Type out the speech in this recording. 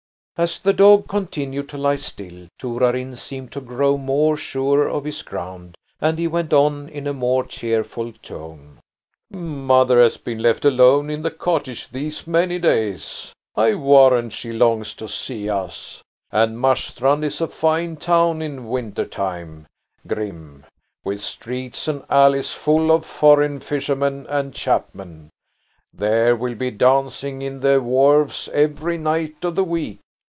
As the dog continued to lie still, Torarin seemed to grow more sure of his ground, and he went on in a more cheerful tone: "Mother has been left alone in the cottage these many days. I warrant she longs to see us. And Marstrand is a fine town in winter time, Grim, with streets and alleys full of foreign fishermen and chapmen. There will be dancing in the wharves every night of the week.